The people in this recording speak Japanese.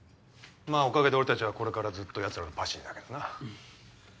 まぁおかげで俺たちはこれからずっとヤツらのパシリだけどな。